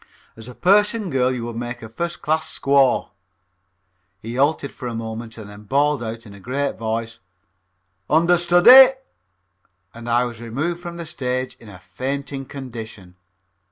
As a Persian girl you would make a first class squaw." He halted for a moment and then bawled out in a great voice, "Understudy!" and I was removed from the stage in a fainting condition.